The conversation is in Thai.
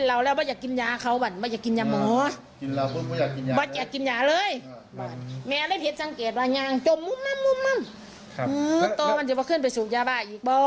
แล้วก็ช่วงกลับมากินเหล้า